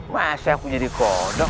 masih aku jadi kodok